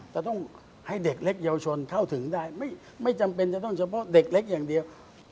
จะต้องให้เด็กเล็กเยาวชนเข้าถึงได้ไม่จำเป็นจะต้องเฉพาะเด็กเล็กอย่างเดียว